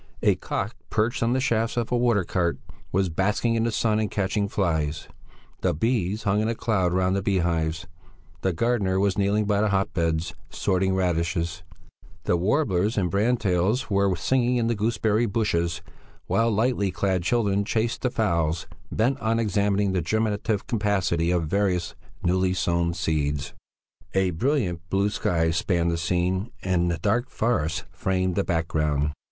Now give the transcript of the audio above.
A cock, perched on the shafts of a watercart, was basking in the sun and catching flies, the bees hung in a cloud round the bee hives, the gardener was kneeling by the hot beds, sorting radishes; the warblers and brand tails were singing in the gooseberry bushes, while lightly clad children chased the fowls bent on examining the germinative capacity of various newly sown seeds. A brilliant blue sky spanned the scene and the dark forest framed the background.